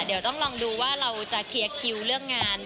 เดี๋ยวต้องลองดูว่าเราจะเคลียร์คิวเรื่องงาน